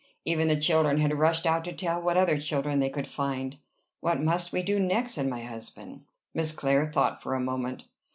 Even the children had rushed out to tell what other children they could find. "What must we do next?" said my husband. Miss Clare thought for a moment.